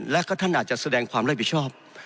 และก็ท่านอาจจะแสดงความรับผิดชอบ